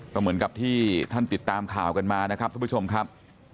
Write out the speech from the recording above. ก็เหมือนกับที่ท่านติดตามข่าวกันมานะครับทุกผู้ชมครับ